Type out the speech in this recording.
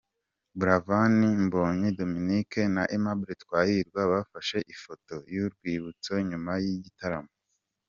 Buravani, Mbonyi, Dominic na Aimable Twahirwa bafashe ifoto y'urwibutso nyuma y'igitaramo.